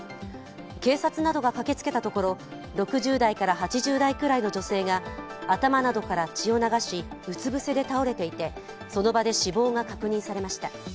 警察などが駆けつけたところ６０代から８０代くらいの女性が頭などから血を流しうつぶせで倒れていてその場で死亡が確認されました。